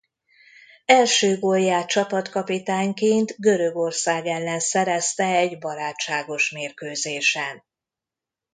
Első gólját csapatkapitányként Görögország ellen szerezte egy barátságos mérkőzésen.